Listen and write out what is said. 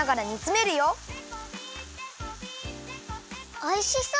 おいしそう！